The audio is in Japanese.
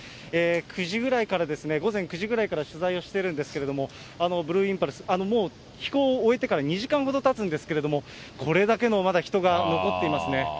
９時ぐらいから、午前９時ぐらいから取材をしてるんですけれども、ブルーインパルス、もう飛行を終えてから２時間ほどたつんですけれども、これだけのまだ人が残っていますね。